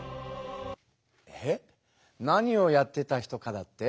えっ？何をやってた人かだって？